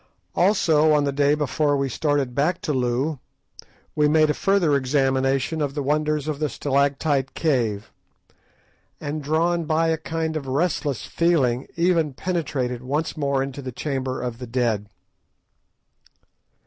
Also, on the day before we started back to Loo, we made a further examination of the wonders of the stalactite cave, and, drawn by a kind of restless feeling, even penetrated once more into the Chamber of the Dead.